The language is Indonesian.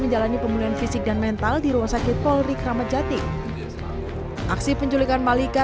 menjalani pemulihan fisik dan mental di rumah sakit polri kramat jati aksi penculikan malika